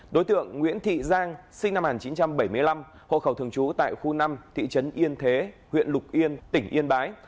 đối tượng nguyễn thị giang sinh năm một nghìn chín trăm bảy mươi năm hộ khẩu thường trú tại khu năm thị trấn yên thế huyện lục yên tỉnh yên bái